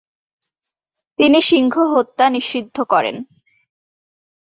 তিনি সিংহ হত্যা নিষিদ্ধ করেন।